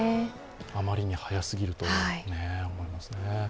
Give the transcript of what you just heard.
あまりに早すぎると思いますね。